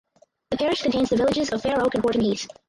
The parish contains the villages of Fair Oak and Horton Heath.